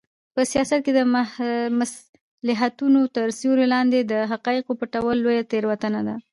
په سیاست کې د مصلحتونو تر سیوري لاندې د حقایقو پټول لویه تېروتنه ده.